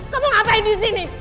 kamu ngapain disini